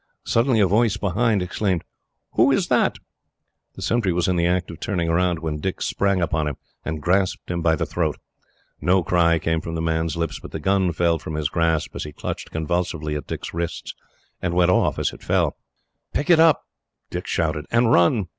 Suddenly a voice behind exclaimed, "Who is that?" The sentry was in the act of turning round, when Dick sprang upon him, and grasped him by the throat. No cry came from the man's lips, but the gun fell from his grasp, as he clutched convulsively at Dick's wrists, and went off as it fell. "Pick it up," Dick shouted, "and run."